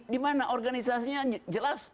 dimana organisasinya jelas